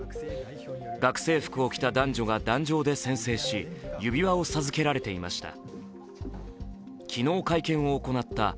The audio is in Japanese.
学生服を着た男女が壇上で宣誓し指輪を授けられていました。